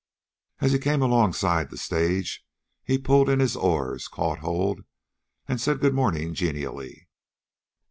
As he came alongside the stage, he pulled in his oars, caught hold, and said good morning genially.